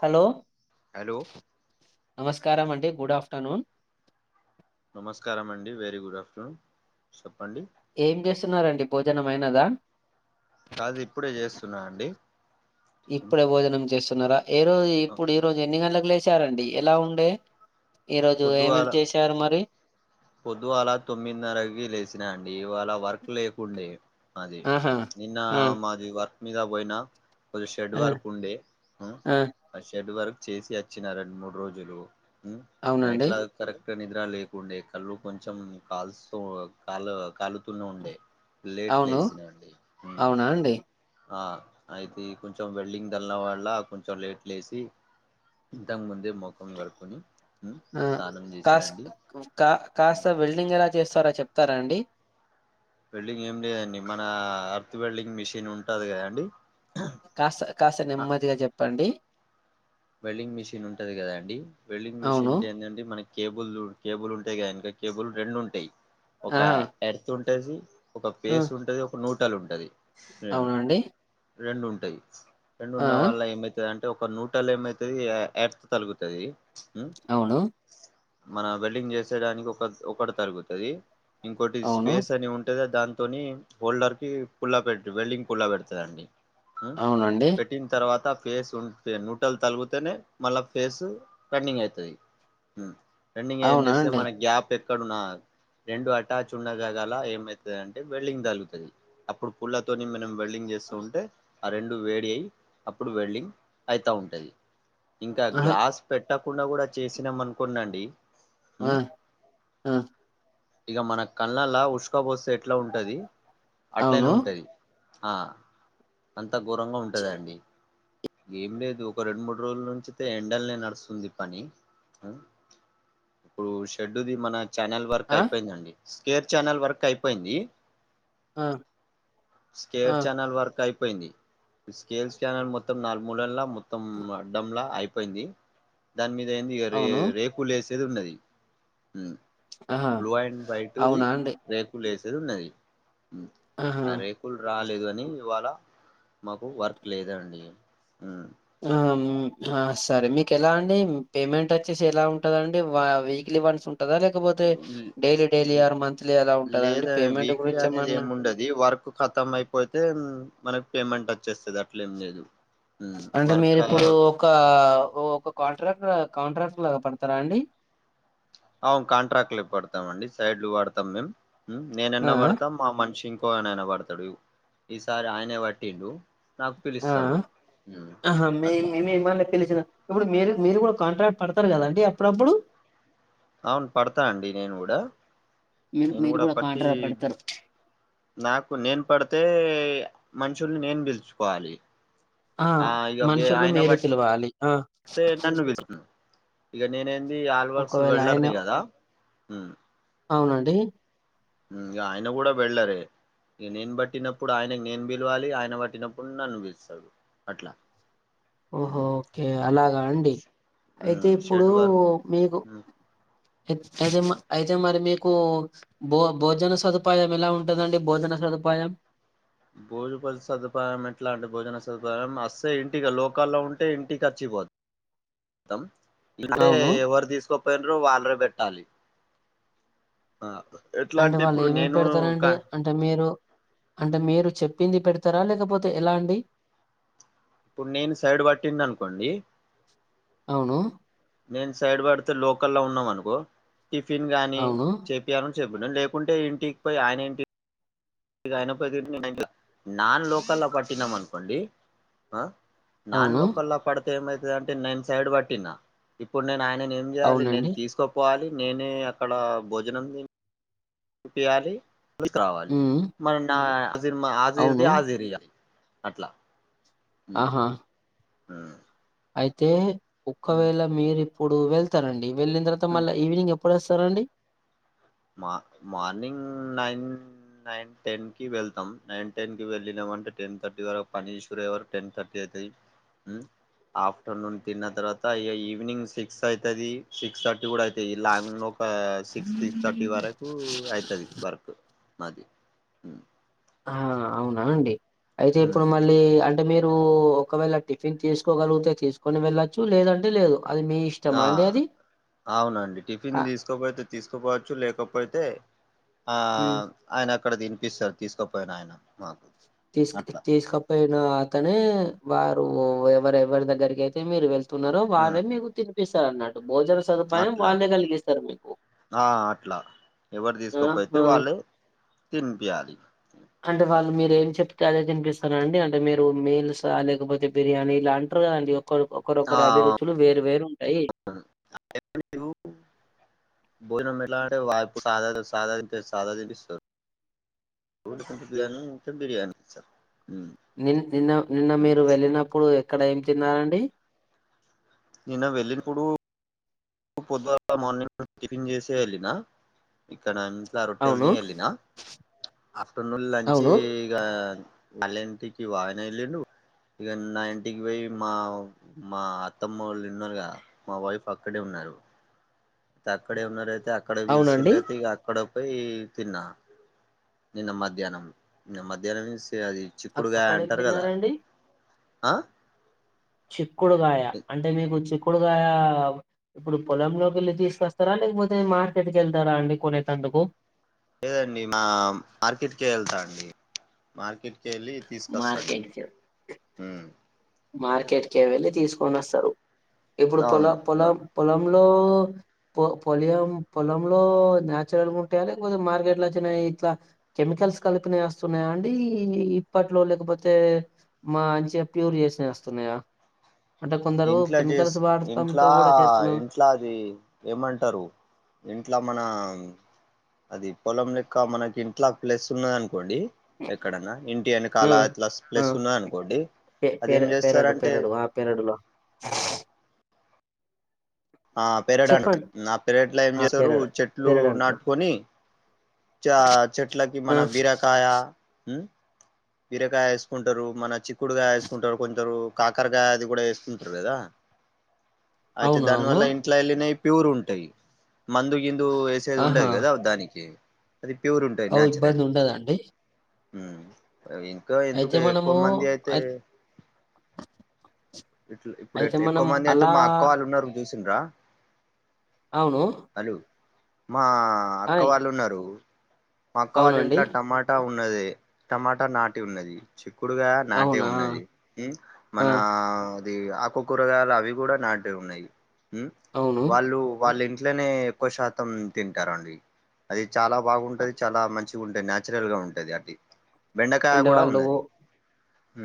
Hello hello నమస్కారం అండి good afternoon నమస్కారం అండి వెరీ గుడ్ ఆఫ్టర్నూన్ చెప్పండి ఏం చేస్తున్నారండి భోజనమైనదా కాదు ఇప్పుడే చేస్తున్నా అండి టిఫిన్ ఇప్పుడే భోజనం చేస్త సున్నార ఏ రోజు ఇప్పుడు ఈ రోజు ఎన్నిగంలకు లేసారండి ఎలా ఉండే ఈ రోజు పొద్దువిల ఏమేమి చేశారు మరి పొద్దువాల తొమ్మిదిన్నరకి లేసీనాండి ఇవాళ వర్క్ లేకుండే మాది ఆహా నిన్న ఆ మాది వర్క్ మీదాబొయినా కొంచదిం షెడ్ ఆ వర్క్ ఉండే ఆ షెడ్ వర్క్ చేసి వచ్చినారండి మూడు రోజులు అవునండి నైట్లా క్కర ఇ నిద్ర లేకుండే కళ్ళు కొంచెం కాల్స్త కాలు కాలుతూనే ఉండే లేట్లు అవును వేసినండి అవునా అండి ఆ అయితే కొంచెం వెల్డింగ్ దల్న వాళ్ల కొంచెం లేట్లు వసి ఇంతకు ముందే మొఖం కడుకొని ఉమ్ ఆ స్నానం కాస్ చేసినండి కా కాస్త బిల్డింగ్ ఎలా చేస్తారా చెప్తారా అండి వెల్డింగ్ ఏం లేదండి మన అర్త్ వెల్డింగ్ మిషిన్ ఉంటది కదాండి కాస్త కాస్త నెమ్మదిగా చెప్పండి వెల్డింగ్ మిషన్ ఉంటది కదా అండి వెల్డింగ్ అవును మిషిన్ కేందంటే మన కేబుల్ కేబుల్ ఉంటాయి కదా ఎనక కేబుల్ రెండు ఉంటాయి ఒక ఆహా ఎర్త్ వుంట్ టజీ ఒక ఆ పేస్ ఉంటది ఒక నోట్ టలు ఉంటది. అవునండి రెండు ఉంటాయి ఆ రెండున్న వాళ్ళ ఏమయితది అంటే టోకెన్ పట్టలు ఏమైతది ఎర్త్ తలుగుతది. ఉమ్ అవును మన వెల్డింగ్ చేసేడానికి ఒక ఒకటి తరుగుతది ఇంకోటి అవును స్పేస్ అని ఉంటది అద్ దాంతోని హోల్డర్ కి పుల్లా పెట్ వెల్డింగ్ పుల్లా పెడుతదండి ఉం అవునండి పెటిన్ తర్వాత ఫేస్ ఉంటేను ట్టలు తల్గుతేనే మళ్ళ ఫేస్ టర్నింగ్ అవుతది. ట్రెండింగ్గా ఏం అవునా చేస్తే అండి మన గ్యాప్ ఎక్ ఇక్కడు నా రెండు అటాచ్ ఉన్న జాగాల ఏమైతుంది అంటే వెల్డింగ్ దలుగుతుంది అప్పుడు పుల్లతోని మనం వెల్డింగ్ చేస్తూ ఉంటే ఆ రెండు వేడి అయ్యి అప్పుడు వెల్డింగ్ అయితా ఉం టది ఇంకా ఆహా గ్లాస్ పెట్ కుట్టకుండా కూడా చేసినాం అనుకున్నాండి ఆ ఆ ఇక మన కళ్ళలా ఉసుక పోస్తే ఎట్లా ఉంటది. అట్లనే అవును ఉంటాది. ఆ అన్ అంత ఘోరంగా చి- ఉంటదండి. ఏం లేదు ఒక రెండు మూడు రోజుల నుంచితే ఎండల్నే నడుస్తుంది పని ఉ ఇప్పుడు షెడ్డు ది మన చానల్ వర్క్ ఆ అయిపోయిందండి. స్కేర్ ఛానల్ వర్క్ అయిపోయింది. ఆ ఆ స్కేర్ చానల్ వర్కు అయిపో పోయింది స్కేల్ స్కానర్ మొత్తం మొత్తం నాలుగు మూడెల్లా మొత్ మొత్తం అడ్డం లా అయి పోయింది దాని మీద ఏంది ఇ రే అవును రేకులు లేసి చదు ఉండది ఆహా బ్లూ అండ్ వైట్ ఇది అవునా అండి రేకులేస్ దున్నది ఆహా అరేకుల్ రాల లేదు అని ఇవాళ మాకు వర్క్ లేదండి హ ఆ సరే మీకు ఎలా అండి పేమెంట్ వచ్చేసి ఎలా ఉంటుందండి వీక్లీ వన్స్ ఉంట ఉంటా లేకపోతే డైలీ డైలీ ఆర్ మంత్లీ అలా ఉంటందా అండి లేదా పేమెంట్ వీక్లీ గురించి అనేది ఏమన్నా ఏముండది మనకి పేమెంట్ వచ్చేస్తది అట్లే ఏం లేదు ఉమ్, అంటే వర్క్ మీరిప్పుడు ఒక ఒక కాంట్రాక్టర్ ఆ కాంట్రాక్ట్ లాగా పడతారా అండి. అవును కాంట్రాక్ట్ లు పడతాం అండి సైడ్లు వాడతాం మేము నేన ఎన్న ఆ పడతాం మా మనిషి కోనయన పడతాడు ఈసారి ఆయనే పట్టిండు నాకు ఆ పిలుస్తాడు ఉమ్, ఆహా మే అట్లా మేము తెలిసినా ఇప్పుడు మీరు మీరు కూడా కాంట్రాక్ట్ పడతారు కదా అంటడి అప్పుడప్పుడు అవును పడతా అండి నేను కూడా మీరు నేను మీరు కూడా పట్టి కాంట్రాక్ట్ పడతారు నాకు నేను పడితే మనుషులు నేను పిలుచుకోవాలి ఆ మనుషులు మీరు పిలవాలి ఆ స్తే నన్ను విలుస్తా ఇగ నేనే న్ ఆల్వాల్స్ ఒకవేళ ఆయన వెళ్ళర్ని కదా హ అవునండి ఆయన కూడా వెళ్ళరే ఇక నేను బట్టినప్పుడు ఆయనకు నేను పిలవాలి ఆయన పట్టినప్పుడు నన్ను పిలుస్తదు అట్లా ఓహో ఓకే అలాగా అండి అయితే ఇప్పుడు షెడ్ వర్క్ మీకు అయితే మా అయితే మరి మీకు భో భోజన సదుపాయం ఎలా ఉంటుందండి భోజన సదుపాయం భోజప సదుపాయం ఎట్లా అంటే భోజన సదుపాయం అస్తే ఇంటికి లోకల్లో ఉంటే ఇంటికి వచ్చిపోద్దు దం అంటే అవును ఎవరు తీసుకో పనరు వాళరు పెట్టాలి ఎట్లా అంటే వాళ్ళు ఇప్పుడు ఏమేమి నేను పెడతారంటడి అంటే మీరు అంటే మీరు చెప్ ప్పింది పెడతారా లేకపోతే ఎలా అండి ఇప్పుడు నేను సైడ్ పట్టింది అనుకోండి అవును నేను సైడ్ పడితే లోకల్ల్లో ఉన్నాం అనుకో టిఫిన్ గాని అవును చెప్యాను చెప్పిన లేకుంటే ఇంటికి పోయి ఆయన ఇంటి ఇక అయినపోయి నాన్ లోకల్ పట్టినాం అనుకోండి ఆ నాన్ అవును లోకల్లా పడ్ ఏమవుతుంది అంటే నేను సైడ్ పట్టిన ఇప్పుడు నేను ఆయన ఏం చేయాలి నేను అవునండి తీసుకోపోవాలి నేనే అక్కడ భోజనం పయాల రావాలి ఉమ్, మరి నా మా హజిర్ది అవును హజరీగ అట్ల ఆహా ఆ అయితే ఒక్కవేళ మీరు ఇప్ ఇప్పుడు వెళ్తరండి వెళ్ళిన తర్వాత ఉమ్. మళ్ళ ఈవినింగ్ ఏప్ ఎప్పుడేస్తరండి మార్నింగ్ నైన్ నైన్ టెన్ కి వెళ్తాం నైన్ టెన్ కి వెళ్ళినా అంటే టెన్ థర్టీ వరకు పనీశ్వరయ వరకు టెన్ థర్టీ అవుతది ఆఫ్టర్నూన్ తిన్న తర్వాత అ ఈవినింగ్ సిక్స్ ఐతది సిక్స్ థర్టీ కూడా అయితుంది లాంగ్ లో ఒక సిక్స్ థర్టీ వరకు ఐతది వర్క్ నాకి ఆ అవునా అండి అయితే ఇప్పుడు మళ్ళీ అ అంటే మీరు ఒకవేళ టిఫిన్ తీసుకోగలిగితే తీసుకుని వెళ్ళచ్చు లేదంటే లేదు అది మీ ఆ ఇష్టమా అండి అది? అవునండి టిఫిన్ ఆహ్, తీసుకోపోతే తీసుకుపోవచ్చు లేకపోయితే ఆ హ్మ్. అయన ఇక్కడ తినిపిస్తడు తీసుకుపోయిన ఆయన మాకు తీసు అట్లా తీసుకపోయినా అతనే వారు ఎవరెవరి దగ్గరకి అయితే మీరు వెళ్ తున్నరో ఉమ్, వారే మీకు తిన్ ప్పిస్స అన్నటు భోజన సదుపాయం అట్లా వాళ్ళే కలిగిస్తరు మీకు ఆ అట్లా ఎవరు తీసుకోపోయితే ఆహా! వాల్లె తినిపియాలి. మీరు ఏం చెప్తే అదే తినిపిస్తర అండి అంటే మీరు మెల్స్ ఆ లేకపోతే బిర్యానీ ఇలా అంటారు కదండి. ఒకలకు ఆ ఒకరొకరి అభిరుచులు వేరు వేరు ఉంటయి. భోజనం ఎట్లా అంటే వాపు సాధ సాధా సాధాతినిపిస్తారు. రోజుకో కొంచెం బిర్యానీ ఇంచెం బిర్యానీ సార్ నిన్ నిన్న నిన్న మీరు వెళ్ళినప్పుడు అక్ అక్కడ ఏం తిన్నారండి. నిన్న వెళ్ళినప్పుడు పొద్దుగల మార్నింగ్ టిఫిన్ చేసే వెళ్ళిన ఇక్కడ ఇలా అవును రొట్టెల్ని వెళ్ళిన ఆఫ్టర్నూన్ లంచి అవును ఇగా వాళ్ళ ఇంటికి వాయిన ఎల్లిండు ఇక నా ఇంటికి పోయి మా మా అత్తమ్మ వాళ్ళున్నారుగాద మా వైఫ్ అక్క క్కడే ఉన్నారు తక్కడే ఉన్నరైత్ అక్కడ వెలిసింది అవునండి అయితే అక్కడ పోయి తిన్నా నిన్న మధ్యాహ్నం నిన్న మధ్యాహ్నం స అ అది అక్ చిక్కుడుగాయ అక్కడ ఏం అంటారు కదా తిన్నారండి ఆ చిక్కుడుగాయ అంటే మీకు చిక్కు చిక్కుడుగయా ఇప్పుడు పొలంలోకి వెళ్ళి తీసుకొస్తారా లేకపోతే మార్కెట్కి వెళ్తారా అండి కొనేటందుకు లేదండి మా మార్కెట్కే వేళ్తా అండి. మార్కెట్ కేళ్ళి తీసుకొస్తాండి మార్కెట్ ఊ మార్కెట్కె వెళ్లి తీసు కొనొస్తారు. ఇప్పుడు పొల అవును పొల పొలం లో పోలియంపొలంలో న్యాచురల్ ఉంటాయా లేకపోతే మార్కెట్ లో వచ్చినయ ఇట్లా కెమికల్స్ కలిపినయి వస్తున్నాయా అండీ ఇప్పట్లో లేకపోతే మా మంచి ప్యూర్ చే నే వస్స్తున్నాయా ఇంట్లా చేసి ఇంట్లా కూడా చేస్తున్నారు ఇంట్లా అది ఏమంటారు ఇంట్లో మన అది పొలం లెక్క మనకి ఇంట్ల ప్లేస్ ఉన్నది. అనుకోండి ఎక్కడన్నా ఇంటి ఆ యనకాల ఇట్ల ఆ ప్లస్ ఉన్న అనుకోండి పె అది పెర ఏం పెరడు చేస్తారంటే పెరడు ఆ పెరడులో [inaudible] ఆ పేరడ్ అంట చెప్పండి ఆ పేరట్ల ఏం ఆ చేస్తారు పెరడు చెట్లు పెరడు అంటారు నాటుకొని చ చెట్లకి ఆ మన బీరకాయ ఉ బీరకాయ వేసుకుంటారు. మన చిక్కుడుగాయ వేసుకుంటారు. కొందరు కాకరకాయ అది కూడా వేసుకుంటారు కదా అయితే అవును దాని అవును వల్ల ఇంట్లోఎల్లినే ప్యూర్ ఉంటాయి మందు గిందు వేసేది ఉండదు కదా దానికి అది ప్యూర్ అఓ ఇబ్బంది ఉండదండి మ్ ఇంకా ఎందుకు అయితే ఎక్కువ మనము మంది అయితే అయి ఇ ఇప్పుడు అయితే మనం ఎక్కువ మంది అయితే అలా మా అక్క వాళ్ళు ఉన్నారు మీస్ [inaudible] రా అవును మా అక్క ఆయ్ వాళ్ళు ఉన్నారు మా అక్క వాళ్ళ అవునండి ఇంట్లో టమాటా ఉం ఉన్నది. టమాటా నాటి ఉన్నది. కుడుగా నాటే అవునా ఉన్నది హు ఆ మన అది ఆకు కూరగాయలు అవి కూడా నాటిే ఉన్నాయి హు అవును వాళ్ళు వాళ్ళ ఇట్లనే ఎక్కువ శాతం తింటారండి అది చాలా బాగుంటది చాలా మంచిగా ఉంటాయి నచురల్ గా ఉంటది అది బెండకాయ అంటే కూడా వాళ్ళు ఉన్నది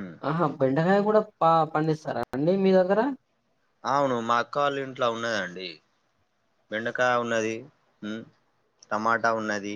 ఉమ్, ఆహా బెండకాయ కూడా పా పండిస్తారా అండి మీ దగ్గర అవును మా అక్క వాళ్ళ ఇంట్లో ఉన్నదండి బెండకాయ ఉన్నది మ్ టమాటా ఉన్నది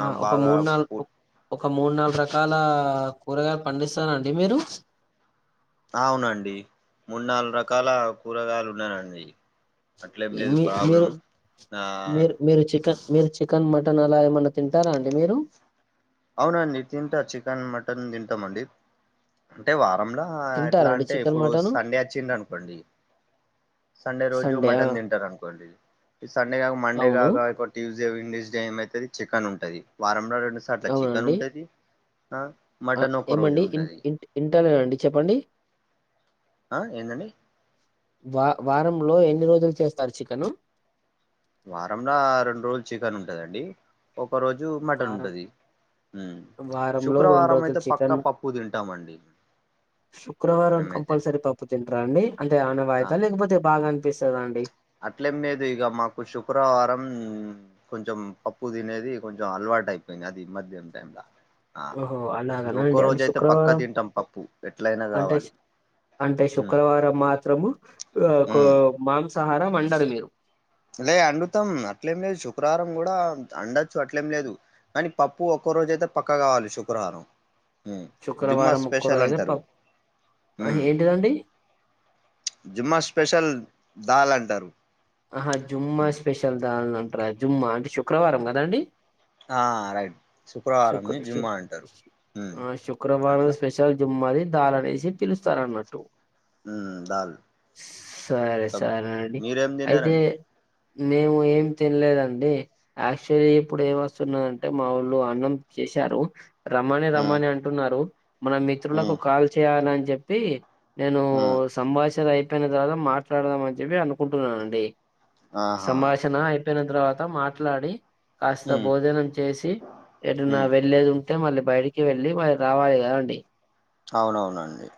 ఆ ఒక బాగా మూడు నాలుగు పు- ఒక మూడు నాలుగు రకాల కూరగాయలు పండిస్తరా అండి మీరు అవునండి మూడు నాలుగు రకాల కూరగాయలు ఉన్నాయండి మీ మీరు ఆ మీర్ మీరు చికన్ మీరు చికెన్ మటన్ అలా ఏమన్నా తింటారా అండి మీరు అవునండి తింటా చికెన్ మటన్ తింటాంమండి అంటే వా లా తింటారా ఎట్లా అండి అంటే చికెన్ ఇప్పుడు మటన్ సండే వచ్చిందనుకోండి సండే రోజు మటన్ తింటారనుకోండి సండే గక మండే అవును గక ఎక్కువ ట్యూస్ డే వెడ్స్నాస్ డే ఏం అయిది చికెన్ ఉంటది వారంల రెండు సార్ చికేన్ అవునండి ఉంటది ఆ మటన్ ఒక రోజు ఏమండి ఇ ఇన్ ఉంటది ఇం ఇంటాలేనండి చెప్పండి ఆ ఏందండి వా వారంలో ఎ ఎన్ని రోజులు చేస్తారు చికెను వారంలో రెండు రోజులు చికెన్ ఉంటందండి ఒ వారం ఉమ్. వారంలో రెండు శుక్రవారం రోజులు అయితే పక్కా చికెన్ పప్పు తింటామండి శుక్రవారం మేమైతే కంపల్సరీ పప్పు తింటారా అండి అంటే ఆ ఆనవాయితా లేకపోతే బాగా అనిపిస్త ేదాండి అట్లేం లేదు ఇగ మాకు శుక్రవారం, కొంచెం పప్పు తినేది, కొంచెం అలవాటు అయిపోయింది. అది మద్యం టైమ్లా ఓహో అలాగన అండి అంటే శుక్రవారం, తింటాం పప్పు ఎట్లయినా అంటే కావాలి అంటే ఉమ్ శుక్రవారం మాత్రము ఆ ఉమ్. మాంస్ సహారా వండార్ మీర్ లే అండుతాం అట్లేం లేదు శుక్రవారం కూడా అండచ్చు, అట్లేం లేదు కానీ పప్పు ఒక్కో రోజ అయితే పక్క కావాలి శుక్రవారం. ఉమ్ జుమ్మా శుక్రవారం ముక్కరు స్పెషల్ అయితే అంటారు ప ఏంటిదండి జిమ్మా స్పెషల్ దాల్ అంటరు ఆహా జుమ్మ స్పెషల్ దాల్ం న్ రజుమ్మ అంటే శుక్రవారం కదండి. ఆ రైట్ శుక్ర శుక్రవారంని శు జుమ్మా అంటారు ఉమ్ ఆ శుక్రవారం అట్లా స్పెషల్ జుమ్ మాది దాలలేసి పిలుస్తారన్నట్టు హు దల్ సరే ఇంకా సరే అండి మీరేం అయితే తన్నారండి మేము ఏం తినలేదండి యాక్చువల్లీ ఇప్పుడు ఏమి వస్తున్నదంటే మా ఊ ళ్ళు అన్నం చేశారు రమ్మని ఉమ్ రమ్మని అంటున్నారు మన మిత్రులకు ఉమ్ కాల్ చేయాలని చెప్ పి నేను ఉమ్ సంభాషణ అయి చెపోయిన తర్వాత మాట్లాడదాం అని చెప్పి అనుకుంటున్నానండి ఆహా సంభాషణ అయి పోయిన తర్వాత మాట్లాడి కాస్త ఉమ్ భోజనం చేసి ఎటున్న ఉమ్ వెళ్ళేద్ అంటే మళ్ళీ బయటికి వెళ్ళి మళ్ళీ రావాలి కదండి అవునవునండి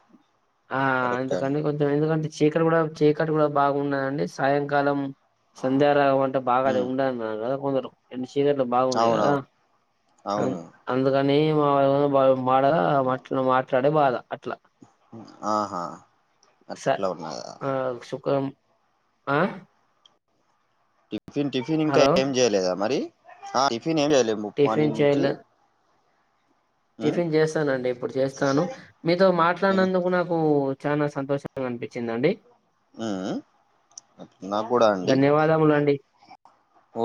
ఆ కరెక్టే అండి అందుకని కొంచెం ఎందుకంటి చీకటి కూడా చీకటి కూడా బాగున్నాదండి సాయంకాలం సంధ్యారాగం అంట బాగా ఉమ్ ఉండద్ అన్నారు కొందరు రెండు చీకట్లు బాగున్నాయి కదా అవునవును అవును అందుక కాని వాడు మాడగా అట్ మాట్లాడే బాధ అట్లా ఆహా స అట్లా ఉన్నదా ఆ సుఖం ఆ టిఫిన్ టిఫిన్ ఇంకా హలో ఏం చేయలేదా మరి ఆ టిఫన్ ఏం చేయలే ము టిఫిన్ మార్నింగ్ నుంచి చేయలే ఉమ్ టిఫిన్ చేస్తానండి ఇప్పుడు చేస్తాను మీతో ఉమ్ మాట్లాడినందుకు నాకు చానా సంతోషంగా అనిపించిందండి హుమ్ నా గుడా అండి ధన్యవాదములండి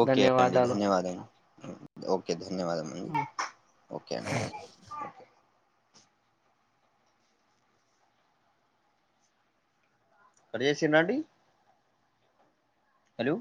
ఓకే అండి ధన్యవాదాలు ధన్యవాదం ఓకే దే ధన్యవాదము అండి ఓకే అండి ఓకే కడుచేసిన్రాండి హలో